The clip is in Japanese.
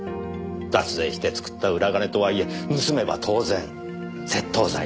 脱税して作った裏金とはいえ盗めば当然窃盗罪に問われます。